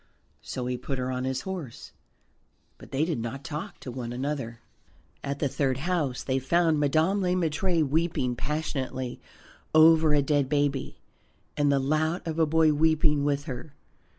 So he put her on his horse, but they did not talk to one another. At the third house they found Madame Le Maître weeping passionately over a dead baby, and the lout of a boy weeping with her.